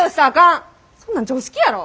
そんなん常識やろ。